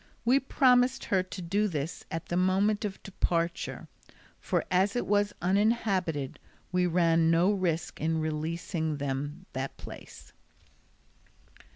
We promised her to do this at the moment of departure, for as it was uninhabited we ran no risk in releasing them at that place.